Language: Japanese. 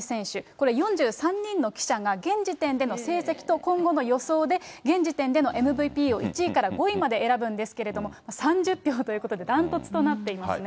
これ、４３人の記者が現時点での成績と今後の予想で、現時点でのＭＶＰを１位から５位まで選ぶんですけど、３０票ということで、断トツとなっていますね。